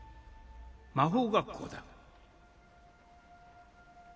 魔法学校だ